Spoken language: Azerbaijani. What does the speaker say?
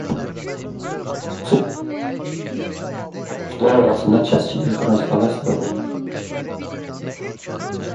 Bir sıra torpaq islahatları aparması hərbiçilər arasında kəskin etirazlara səbəb olur.